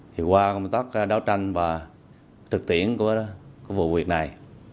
thì qua công tác đấu tranh và thực tiễn của cái vụ việc này